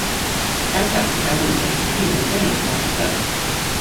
担杆山路沿途并无专营巴士站。